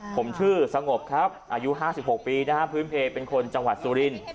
ผมชื่อสงบครับอายุ๕๖ปีนะฮะพื้นเพลเป็นคนจังหวัดสุรินทร์